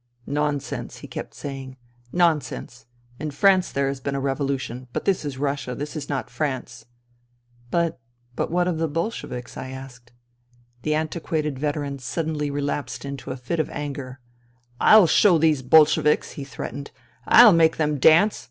" Nonsense," he kept saying. " Nonsense. In France there has been a revolution. But this is Russia. This is not France." " But— but what of the Bolsheviks ?" I asked. The antiquated veteran suddenly relapsed into a fit of anger. " I'll show these Bolsheviks !" he threatened. " I'll make them dance